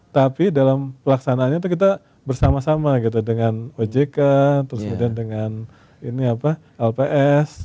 tapi dalam pelaksanaannya itu kita bersama sama gitu dengan ojk terus kemudian dengan lps